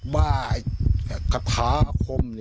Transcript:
บ้าวิทยาลัยนัยทัพคมนี่เลย